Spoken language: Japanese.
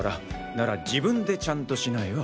なら自分でちゃんとしなよ。